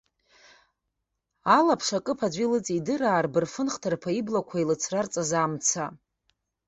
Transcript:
Алаԥш акып аӡәы илыҵидыраар бырфын хҭарԥа иблақәа илыцрарҵаз амца.